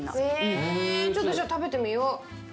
へえちょっとじゃあ食べてみよう。